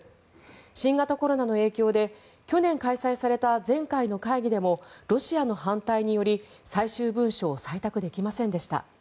新型コロナの影響で去年開催された前回の会議でもロシアの反対により、最終文書を採択できませんでした。